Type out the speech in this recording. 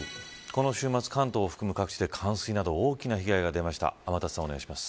この週末、関東を含む各地で冠水など大きな被害が出ました。